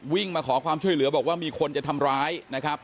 มาขอความช่วยเหลือบอกว่ามีคนจะทำร้ายนะครับ